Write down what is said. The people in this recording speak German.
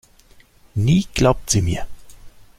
Nie glaubt sie mir.